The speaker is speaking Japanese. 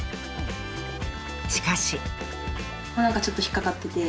しかし。